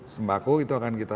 sembako itu akan kita